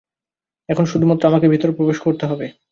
এখন শুধুমাত্র আমাকে ভিতরে প্রবেশ করতে হবে।